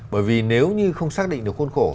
bởi vì nếu như không xác định được khuôn khổ